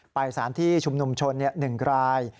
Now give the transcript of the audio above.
ไปสถานที่ชุมนุมชน๑ราย